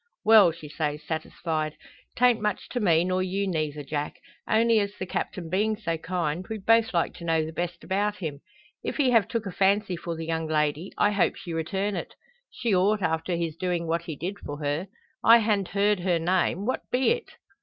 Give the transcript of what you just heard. "Well," she says, satisfied, "'tan't much to me, nor you neyther, Jack; only as the Captain being so kind, we'd both like to know the best about him. If he have took a fancy for the young lady, I hope she return it. She ought after his doin' what he did for her. I han't heerd her name; what be it?"